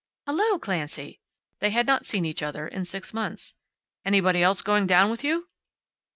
"Hello, Clancy!" They had not seen each other in six months. "Anybody else going down with you?"